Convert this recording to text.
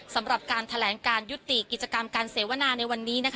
สำหรับการแถลงการยุติกิจกรรมการเสวนาในวันนี้